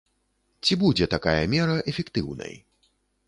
Ці будзе такая мера эфектыўнай?